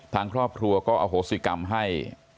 ทางครอบครัวก็อโหสิกรรมให้